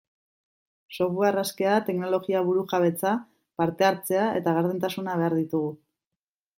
Software askea, teknologia burujabetza, parte-hartzea eta gardentasuna behar ditugu.